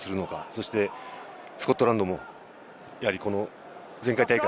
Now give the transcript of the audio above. そして、スコットランドもやはり前回大会